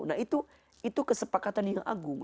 nah itu kesepakatan yang agung